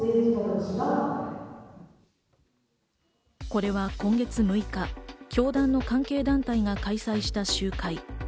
これは今月６日、教団の関係団体が開催した集会。